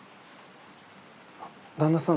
旦那さん